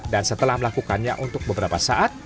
dan setelah melakukannya untuk beberapa saat